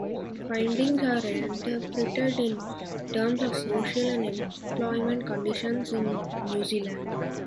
Findings are interpreted in terms of social and employment conditions in New Zealand.